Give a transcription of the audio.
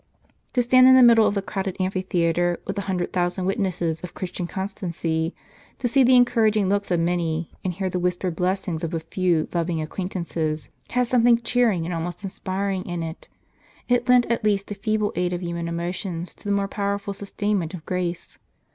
To stand in the middle of the crowded amphitheatre, with a hundred thousand witnesses of Christian constancy, to see the encouraging looks of many, and hear the whispered blessings of a few loving acquaintances, had something cheering, and almost inspiring in it ; it lent at least the feeble aid of human emotions, to the more powerful sustainment of grace.